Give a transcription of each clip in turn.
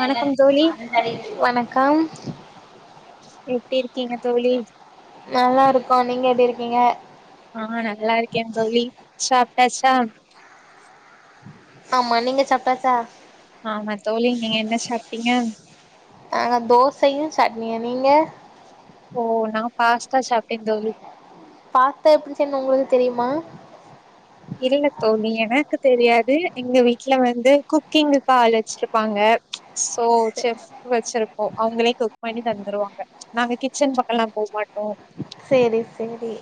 வணக்கம் தோழி வணக்கம் எப்டி இருக்கீங்க தோழி நல்லாருக்கோ நீங்க எப்டி இருக்கீங்க ஆ நல்லா இருக்கேந் தோழி சாப்ட்டாச்சா ஆமா நீங்க சாப்ட்டாச்சா ஆமா தோழி நீங்க என்ன சாப்ட்டீங்க ஆ தோசையு சட்னியு நீங்க ஓ நா பாஸ்தா சாப்ட்டேன் தோழி பாஸ்தா எப்டி செய்ணு உங்களுக்கு தெரியுமா இல்ல தோழி எனக்கு தெரியாது எங்க வீட்ல வந்து குக்கிங்குக்கு ஆள் வெச்ருப்பாங்க சோ செஃப் வெச்சிருக்கோ அவுங்களே குக் பண்ணி தந் தருவாங்க நாங்க கிச்சன் பக்கல்லா போ மாட்டோ செரி செரி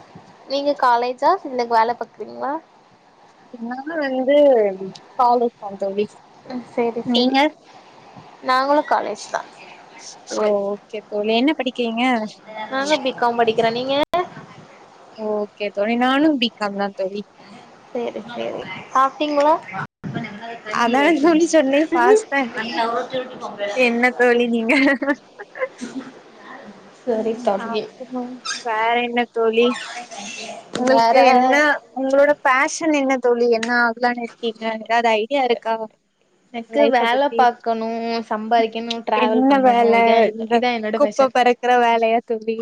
நீங்க காலேஜா இல்ல வேல பாக்குறீங்ளா நானு வந்து ம் காலேஜ் தா தோழி ம் செரி செரி நீங்க நாங்களு காலேஜ் தா கே தோழி என்ன படிக்கிறீங் நாங்க பி காம் படிக்கிறே நீங்க ஓகே தோழி நானு பி காம் தா தோழி செரி செரி சாப்ட்டீங்களா அதான தோழி சொன்னே பாஸ்தா என்ன தோழி நீங்க சரி ம் தோழி அப்பறோ வேற என்ன தோழி உங்களுக்கு என்ன வேற உங்களோட பேஷன் என்ன தோழி என்ன ஆ கலானு இருக்கீங்க எதாது ஐடியா இருக்கா உ எனக்கு வேல பாக்கணு சம்பாதிக்கிணு ட்ராவல் என்ன பண்ணணு வேல இதா இந்த இதா என்னோட குப்ப பேஷன் பறக்குற வேலையா தோழி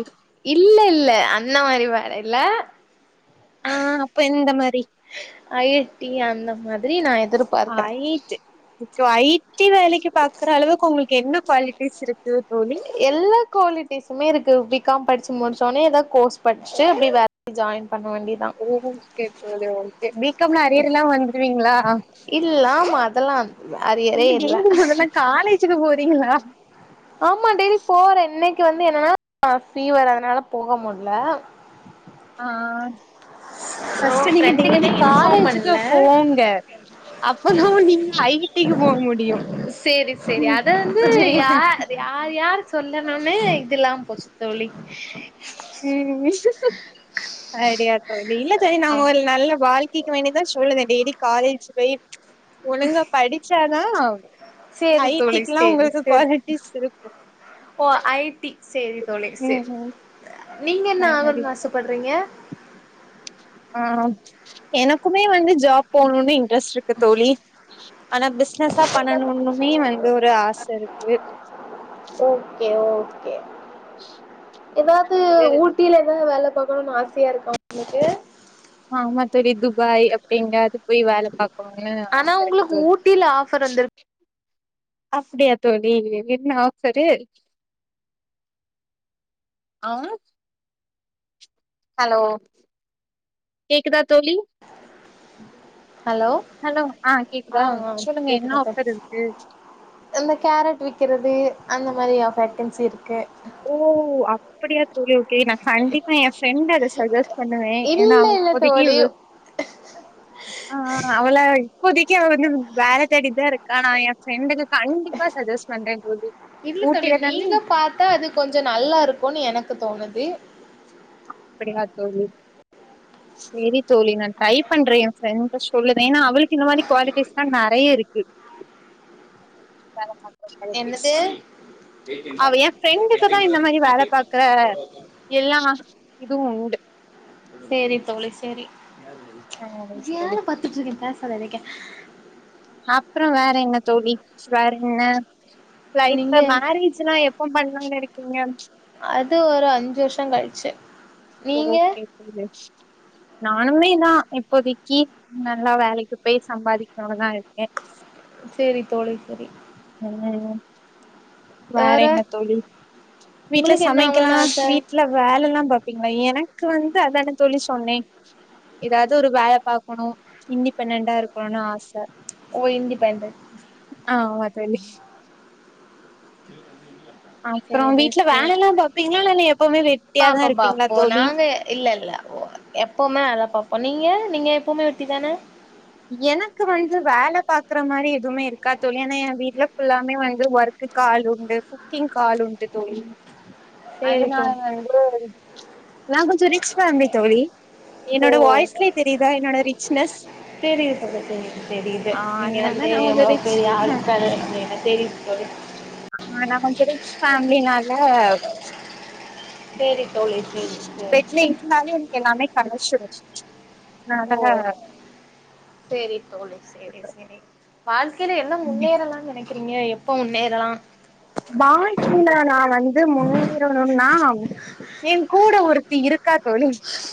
இல்ல இல்ல அந்த மாரி வேல இல்ல ஆ அப்ப எந்த மா ஐடி அந்த மாதிரி நா எதிர்பார்க்கற ஐட்டு இப்போ ஐ டி வேலைக்கு பாக்குற அளவுக்கு உங்களுக்கு என்ன குவாலிட்டிஸ் இருக் எல்லா குவாலிட்டிஸுமே இருக்கு பி காம் படிச் து முடிச்சோனே எதா கோர்ஸ் படிச்சிட்டு அப்டே வேலைக் ஜாய்ன் பி காம் ல அரியர் இல்லாம் வந்துருவீங்களா இல்ல ஆமா அதெல்லா அரியரே நீங்க இல்ல டெய்லி மொதல்ல காலேஜுக்கு போறீங்களா ஆமா டெய்லி போறே இன்னை க்கு வந்து என்னன்னா ஃபீவர் அதனால போக முட்ல ஆ ஃபஸ்ட்டு நீங்க ஃப்ரெண்டு டெய்லி கிட்ட இன்ஃபார்ம் காலேஜுக்கு பண்ல போங்க அப்பதா நீங்க ஐ டிக்கு போ போக முடியு செரி ம் அத வந்து யார் யார் யார் சொல்லணுனு இதுல்லாம் போச் தோழி ம் அடியா தோ டி இல்ல செர் ஆ நாங்க ஒரு நல்ல வாழ்க்கிக்கு வேண்டிதா சொல்லுவேன் டி டெய்லி காலேஜ் போயி ஒழுங்கா படிச்சாதா சேரி ஐ தோழி டிக் ல்லா சேரி உங்களுக்கு சேரி குவாலிட்டிஸ் இருக்கு ஓ ஐ டி செரி தோழி ம் செரி ம் நீங்க என்ன சரி ஆகணுன் ஆசப்பட்றீங்க ஆ எனக்குமே வந்து ஜாப் போணும்னு இன் ட்ரஸ்ட்ருக்கு தோழி ஆனா பிஸ்னஸா பண்ணனும்னுமே வந்து ஒரு ஆச இருக்கு ஓக்கே கே நா எதாது வந்து ஊட்டில எதாவ வேல பாக்கணுன் ஆசையாருக்கா உங்களுக்கு ஆமா தோழி துபாய் அப்டிங்க அது போய் வேல பாக் ஆனா உங்களுக்கு ஊட்டில ஆஃபர் வந்துரு அப்படியா தோழி வ் என்ன ஆஃப்சரு ஆ ஹலோ கேக்குதா தோழி ஹலோ ஹலோ ஆ கேக்குதா ஆ சொல்லுங்க என்ன கேக்குதப்ப ஆஃபர் இருக்கு அந்த கேரட் விக்கிறது அந்த மாதிரி ஆஃப் வேக்கன்சி இரு ஓ அப்டியா தோழி ஓகே நா கண்டிப்பா ஏ ஃப்ரெண்ட அத சஜஸ் பண்ணுவே ஏனா இல்ல அவ இல்ல இப்போதக்கி தோழி இவ் அ அ அவள இப்போதிக்கு அவ வந்து வேல தேடிட்தா இருக்கா நா ஏ ஃப்ரெண்டுக்கு கண்டிப்பா சஜஸ்ட் பண்ற தோழி ஊட்டில தான கொஞ்சொ நல்லா இருக்கூனு எனக்கு தோணுது அப்டியா தோழி சேரி தோழி நா ட்ரை பண்றே ஏ ஃப்ரெண்ட சொல்லுத ஏனா அவளுக் கு இந்த மாரி குவாலிட்டீஸ்தா நறைய இருக்கு ஒ கழட்டி என்னது அவ எ ஃப்ரெண்டுக்குதா இந்த மாரி வேல பாக்கற எல்லா இதுவு உண்டு செரி தோழி செரி ஆ தோழி நெனைக்க அப்ற வேற என்ன தோழி வேற என்ன நீங்க லைஃப்ல மேரேஜ்ல்லா எப்ப பண்ணனு நெனைக்கிங்க அது ஒரு அஞ்சு வருஷங் கழிச்சு நீங்க ஓகே தோழி நானுமேதா இப்போதைக்கு நல்லா வேலைக்கு போய் சம்பாதிக்கணுன்தா இருக்கே செரி தோழி செரி ம் வேற என்ன தோழி வீட்ல உங்களுக்கு என்ன சமைக்கலா ஆவணுன்னு ஆச வீட்ல வேலெல்லா பாப் பிங்ளா எனக்கு வந்து அதான தோழி சொன்னே எதாது ஒரு வேல பாக்கணு இன்டிபெண்டண்ட்டா இருக்கணுனு ஆச ஓ இண்டிபெண்டன்ட் ஆமா தோழி [inaudible] அப்றோ சேரி வீட்ல சேரி வேலல்லா பாப்பிங்ளா இல்ல எப்பவுமே வெட்டியாதா இருப்பிங்ளா தோழி ஓ எப்பமே வேலை பாப்போ நீங்க நீங்க எப்பவுமே வெட்டி தான எனக்கு வந்து வேல பாக்கற மாரி எதுவுமே இருக்கா தோழி ஏன்னா என் வீடுலா ஃபுல்லாமே வந்து ஒர்க் க்கு ஆள் உண்டு குக்கிங்கு ஆள் உண்டு தோழி சேரி அதனால தோழி வந்து நா கொஞ்ச ரிச் ஃபேமிலி தோழி ஓ என்னோட வாய்ஸ்லயே தெரியுதா என்னோட ரிச்னஸ் தெரியுது தெரியுது ஆ நீங்க வந்த அதனால நா கொஞ்சோ எவ்ளோ ரிச் பெரிய ஆளுக்க இன்ன தெரியுது ப ஆ நா கொஞ்ச ரிச் ஃபேமிலின ல சேரி தோழி சேரி சேரி பெட்ல இருந்தாலும் எனக்கு எல்லாமே கடச்சிரும் ஓ செரி தோழு செரி செரி வாழ்க் கீழ என்ன முன்னேறல்லாம் நனைக்கிறீங்க எப்ப முன்னேறலாம் வாழ்க்கையில நா வந்து முன்னேறணும்னா யேன் கூட ஒருத்தி இருக் கா தோழி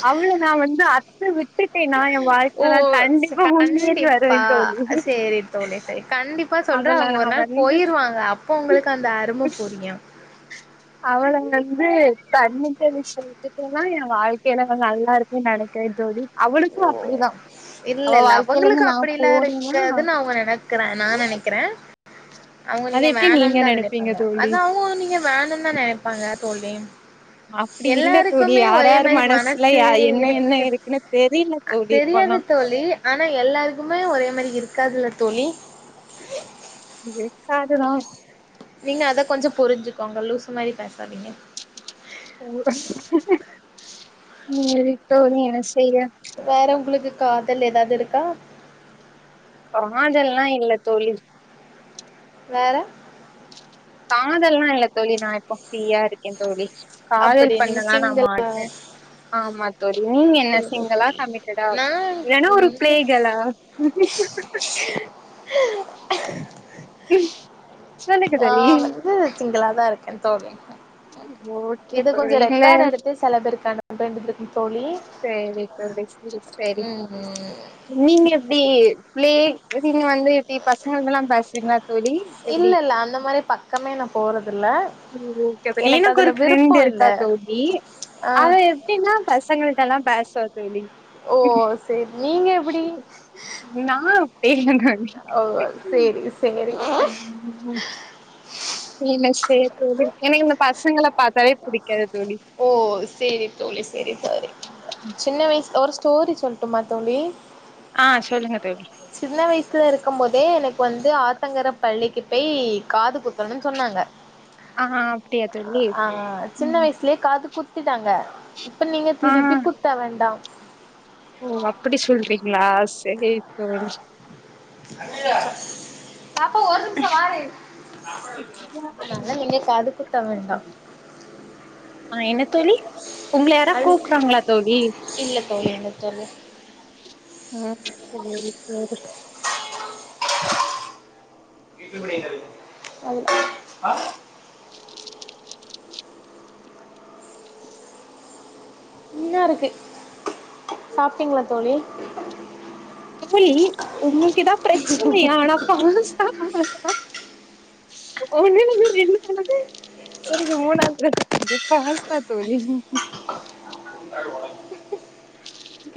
அவள நா வந்து அத்து விட்டுட்டு நா என் வாழ்க்கைல கண்டிப்பா முன்னேறி வருவே பா தோழி சேரி தோழி சேர் கண்டிப்பா சொல்ற அவள அவங்க நா ஒரு நாள் வந்து போயிருவாங்க அப்ப உங்களுக் கந்த அரும்ப புரியும் இங்கந்து தண்ணி தெளிச் விட்டுட்டன்னா ய வாழ்க்கையில நல்லா இருக்குன் நனைக்கறேன் தோழி அவளுக்கும் அப்படிதா இல்ல இல்ல அவங்களுக்கு அப்படில்லா இருக்காதுன் அவங்க நனக்கறன் நா நனைக்கிறேன் அவ்ங்க அது நீங்க எப்டி வேணும்னு தா நெனைப்பீங்க நெனைப்பாங்க அது தோழி அவ்ங்க நீங்க வேணும் தா நனைப்பாங்க தோழி அப்டி இல்ல தோழி எல்லாருக்குமே யார் ஒரே யார் மாரி மனசுல மனசு யா என்ன என்ன இருக்க இருக்குன்னு தெரில அது தோழி இப்பல்லா தெரியாது தோழி ஆனா எல்லாருக்குமே ஒரே மாரி இருக்காதுல தோழி இருக்காதுதா நீங்க அத கொஞ்ச புரிஞ்சுக்கோங்க லூசு மாரி பேசாதீங்க ஓ நீங்க எப்டி தோழி என்ன செய்ற வேற உங்களுக்கு காதல் எதாவ்து இருக்கா காதல்லா இல்ல தோழி வேற காதல்லா இல்ல தோழி நா இப்போ ஃப்ரீயா இருக்கே தோழி அப்படி காதல் நீங்க பண்ணலா நா சிங்கிளா மாட்டே ஆமா தோழி நீங்க என்ன சரி ஓகே. சிங்கலா கமிட்டடா நா இல்லனா ஒரு பிளே வந்து கேர்ளா [unintelligible] [inaudible] நா தோழி வந்து சிங்களாதா இருக்கே தோழி ஓகே இது கொஞ்ச போறீங்கள ரெக்கார்ட் எடுத்து செலபேருக்கு அனுப்ப வேண்டியது இருக்கும் தோழி சரி தோழி சரி சரி ம் ம் நீங்க எப்டி பிள்ளே நேத்து நீங்க வந்து எப்டி பசங்களுக்குலா பேசுவீங்ளா தோழி எப்டி கம்மே நா போறது ம் ம் கேக்குது எனக்கு ஒரு ஃப்ரெண்ட் விருப்போ இல்ல இருக்கா தோழி ஆ அவ எப்டினா பசங்கள்ட்ட எல்லா பேஷா தோழி ஓ சேரி நீங்க எப்டி நா அப்டில்ல தோழி ஓ சேரி சேரி என்ன செய்ய தோழி எனக்கு இந்த பசங்கள பாத்தாவே புடிக்காது தோழி ஓ சேரி தோழி சேரி தோழி சின்ன வயசுல ஒரு ஸ்டோரி சொல்ட்டுமா தோழி ஆ சொல்லுங்க தோழி சின்ன வயசுல இருக்கும் போதே எனக்கு வந்து ஆத்தங்கர பள்ளிக்கு பேய் காது குத்தணுன் சொன்னாங்க ஆ அப்டியா தோழி ஆ சின்ன ம் வயசுலே காது குத்திட் ட்டாங்க இப்ப நீங்க ஆ திருப்பி குடுத்த வேண்டா எங்க இப்பவர பாப்பா ஒரு நிமிஷம் மாறி அதுனால நீங்க காது குத்த வேண்டா ஆ என்ன தோழி உங்ள யாரா அது கூப்ட்றாங்களா தோழி இல்ல தோழி இல்ல தோழி ம் சேரி தோழி அது இன்ன இருக்கு சாப்ட்டீங்ளா தோழி தோழி உங்களுக்கு எதா பிரச்சனையா ஆனா பாஸ்ட்டா [unintelligible] ஒன்னு இல்லைங்க ரெண்டு தடக் தோழி இது மூணாவ்து தடக்க வந்து பாஸ்தா தோழி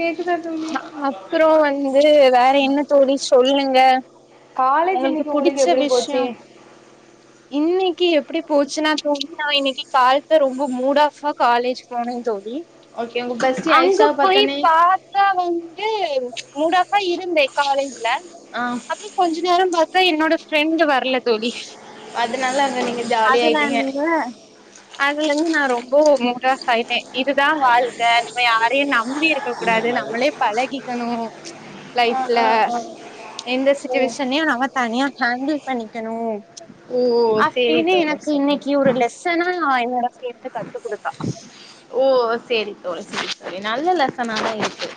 கேக்குதா தோழி நா அப்றோ வந்து வேற என்ன தோழி சொல்லுங்க காலேஜ் உங்களுக்கு இன்னைக்கு புடிச்ச எப்டி விஷ்ய போச்சு இன்னைக் க்கி எப்டி போச்சுனா தோழி நா இன்னக்கி கால்த்த ரொம்ப மூட் ஆஃபா காலேஜ் போனே தோழி ஓகே உங்க பெஸ்டி அங்க ஐஷாவ போய் பாத்தோனே பாத்தா வந்து மூட் ஆஃபா இருந்தே காலேஜ்ல ஆ அப்றோ அப்பற பாத்தா என்னோட ஃப்ரெண்டு வர்ல தோழி அதனால அங்க நீங்க ஜாலியா ஆயிட்டீங்க அதுனாலீங்க அதுலேந்து நா ரொம்ப மூட் ஆஃப் ஆயிட்டே இதுதா வாழ்க்க நம்ம யாரையு நம்பி இருக்கக்கூடாது நம்மளே பழகிக்கணு ஆ லைஃப்ல ஆ ஆ எந்த ஓ சுட்டுவேஷன்லயு நம்ம தனியா ஹேண்டில் பண்ணிக்கணு ஓ சேரி அப்டின்னு தோழி எனக்கு சேரி இன்னிக்கு ஒரு லெசனா என்னோட ஃப்ரெண்ட் கத்துக் குடுத்தா ஓ சேரி தோழி சேரி தோழி நல்ல லெசனா தா இருக்கு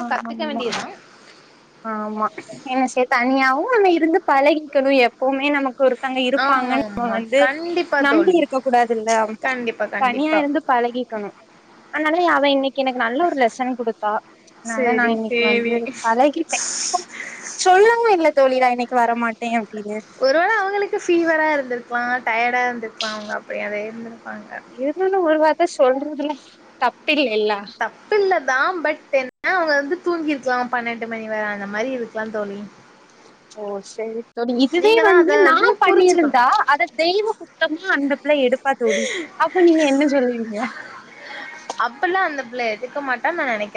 ஆ கத்துக்க ஆமாமா வேண்டியதுதா ஆமா என்ன சே தனியாவு நம்ம இருந்து பழகிக்கணு எப்போமே நமக் கு ஒருத்தங்க ஆமா இருப்பாங்கன்னு நம்ம ஆமா வந்து கண்டிப்பா நம்பி தோழி இருக்கக் கூடாதுல்ல கண்டிப்பா தனியா கண்டிப்பா இருந்து பழகிக்கணு அதனால அவ இன்னிக்கு எனக்கு நல்ல ஒரு லெசன் குடுத்தா அதனால நா சேரி இன்னிக்கு வந்து சேரி பழகிட்டே சொல்லவும் இல்ல தோழி நா இன்னிக்கு வர மாட்டே ஒருவேள அவுங்களுக்கு ஃபீவரா இருந்துருக்கலா டயர்ட் ட்டா இருந்துருக்கலா அவுங்க அப்ப அதையே இருந்துருப்பாங்க அத சொல்றதுல தப்பில்லேல்லா தான் பட் என்ன அவுங்க வந்து தூங்கிருக்கலா பன்னெண்டு மணி வர அந்த மாரி இருக்கலா தோழி ஓ சேரி தோழி இதுவே நீங்க தா வந்து அத நா பண்ணி இருந்தா புரிஞ்சுக்கணு அத தெய்வ குத்தமே அந்த இல்ல எடுப்பா தோழி அப்போ நீங்க என்ன சொல்வீங்க இருக்கமாட்டா நா நெனைக்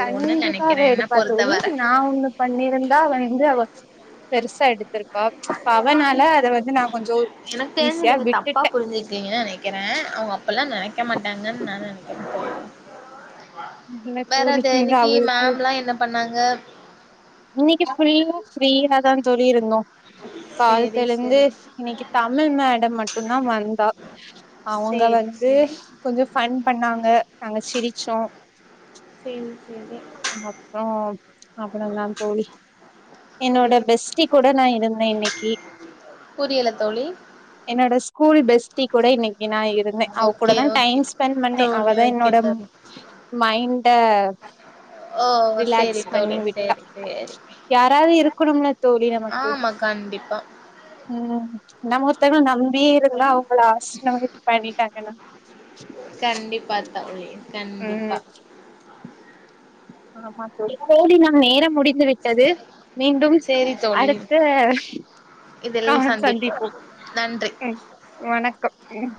கண்டிப்பா அவ எடுப்பா தோழி பொறுத்தவர நா ஒன்னு பண்ணிருந்தா அவ வந்து அவ பெருசு வந்து நா கொஞ்சோ எனக்கு தெரிஞ்சு ஈஸியா நீங்க தப்பா விட்டுட்டே புரிஞ்சிருக்கீங்கன்னு நெனைக்கறே அவுங்க அப்பல்லா நெனைக்க மாட்டாங்கன்னு நா நெனைக்கறே இல்ல வேற தோழி அது நீங்க இன்னிக்கு மேம்லா என்ன பண்ணாங்க இன்னிக்கு ஃபுல்லா ஃப்ரீயா தா தோழி இருந்தோ சேரி கால்த்துலந்தே செரி இன்னிக்கு தமிழ் மேடம் மட்டுந்தா வந்தா அவுங்க சேரி வந்து செரி கொஞ்ச ஃபன் பண்ணாங்க நாங்க சிரிச்சோ சேம் சேமே அவ்ளதா தோழி என்னோட சேரி பெஸ்டி கூட நா இருந்தே இன்னிக்கி புரியல தோழி ஸ்கூல் பெஸ்ட்டி கூட இன்னிக்கி நா இரு பத்தே அவ கூட ஓகே தா ஓகே டைம் ஸ்பெண்ட் பண்ணே அவ தோழி தா ஓகே என்னோட தோழி மைண்ட ஓ சேரி ரிலாக்ஸ் பண்ணி தோழி விட்டா சேரி சேரி யாராது இருக்கணும்ல தோழி நமக்கு ஆமா கண்டிப்பா ம் நம்ம ஒருத்தங்கள நம்பி இருந்தா அவுங்க லாஸ்ட் நமக் பண்ணிட்டாங்கனா கண்டிப்பா தோழி கண்டிப்பா ஆமா தோழி தோழி நம் நேரம் முடி ந்து விட்டது மீண்டும் சேரி தோழி அடுத்த கால் சந்திப்போம் நன்றி ம் வணக்கம் ம்